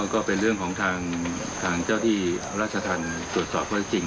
ก็เป็นเรื่องของทางเจ้าที่ราชธรรมตรวจสอบข้อได้จริง